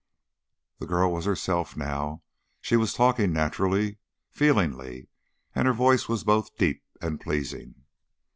The girl was herself now; she was talking naturally, feelingly, and her voice was both deep and pleasing.